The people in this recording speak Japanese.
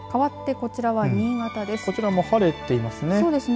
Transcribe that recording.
こちらも晴れていますね。